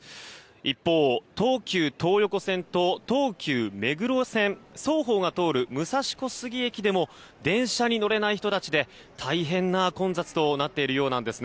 一方、東急東横線と東急目黒線双方が通る武蔵小杉駅でも電車に乗れない人たちで大変な混雑となっているようです。